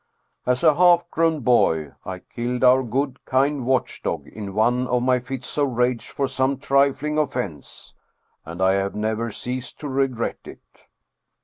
As a half grown boy I killed our good, kind watchdog in one of my fits of rage for some trifling of fense, and I have never ceased to regret it.